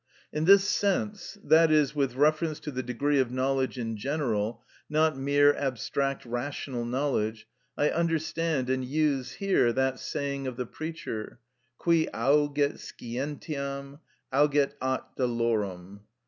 In this sense, that is, with reference to the degree of knowledge in general, not mere abstract rational knowledge, I understand and use here that saying of the Preacher: _Qui auget scientiam, auget at dolorem.